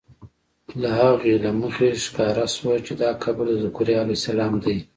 له هغې له مخې ښکاره شوه چې دا قبر د ذکریا علیه السلام دی.